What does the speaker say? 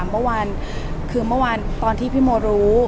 เมื่อวานคือเมื่อวานตอนที่พี่โมรู้